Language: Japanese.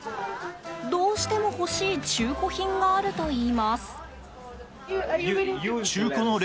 どうしても欲しい中古品があるといいます。